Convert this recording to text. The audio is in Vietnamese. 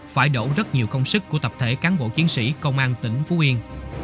phải đổ rất nhiều công sức của tập thể cán bộ chiến sĩ công an tỉnh phú yên